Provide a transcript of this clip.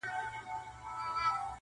• عبث مه ضایع کوه پکښي تخمونه,